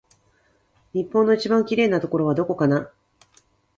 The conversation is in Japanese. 日本の一番きれいなところはどこかな